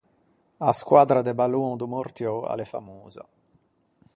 A squaddra de ballon do Mortiou a l'é famosa.